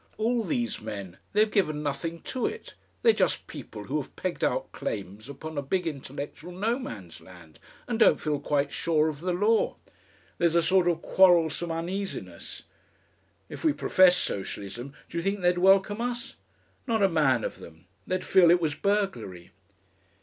All these men They've given nothing to it. They're just people who have pegged out claims upon a big intellectual No Man's Land and don't feel quite sure of the law. There's a sort of quarrelsome uneasiness.... If we professed Socialism do you think they'd welcome us? Not a man of them! They'd feel it was burglary...."